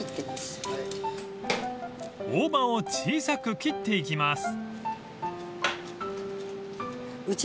［大葉を小さく切っていきます］